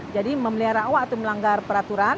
jadi memelihara owa itu melanggar peraturan